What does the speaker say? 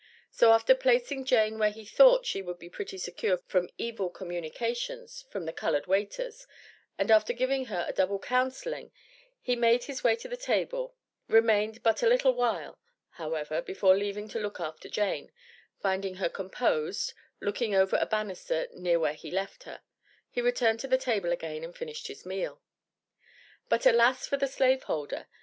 So after placing Jane where he thought she would be pretty secure from "evil communications" from the colored waiters, and after giving her a double counselling, he made his way to the table; remained but a little while, however, before leaving to look after Jane; finding her composed, looking over a bannister near where he left her, he returned to the table again and finished his meal. But, alas, for the slave holder!